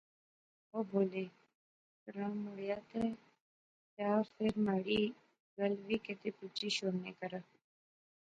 او بولے، گراں موہڑا تے تھیا فیر مہاڑی گل وی کیدے بجی شوڑنے کرا